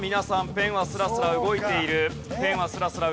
ペンはスラスラ動いている。